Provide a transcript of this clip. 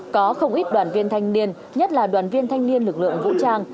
có không ít đoàn viên thanh niên nhất là đoàn viên thanh niên lực lượng vũ trang